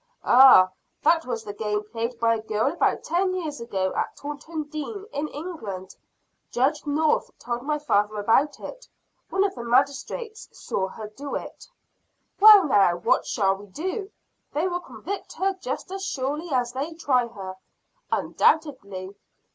"Ah, that was the game played by a girl about ten years ago at Taunton Dean, in England. Judge North told my father about it. One of the magistrates saw her do it." "Well, now, what shall we do? They will convict her just as surely as they try her." "Undoubtedly!"